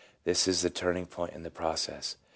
This is the turning point in the process.